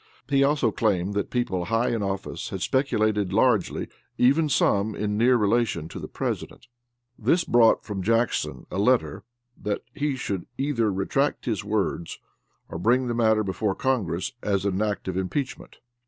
He also claimed that people high in office had speculated largely, even some in near relation to the president. This brought from Jackson a letter that he should either retract his words or bring the matter before Congress as an act of impeachment.